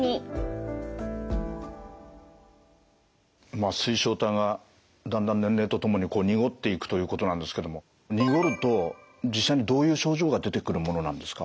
まあ水晶体がだんだん年齢とともに濁っていくということなんですけども濁ると実際にどういう症状が出てくるものなんですか？